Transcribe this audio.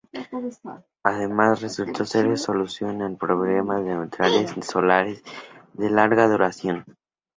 Además, resultó ser la solución al problema de los neutrinos solares de larga duración.